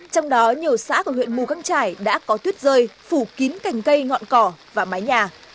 trong đó nhiều xã của huyện mù căng trải đã có tuyết rơi phủ kín cành cây ngọn cỏ và mái nhà